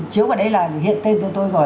chiếu vào đấy là hiện tên của tôi rồi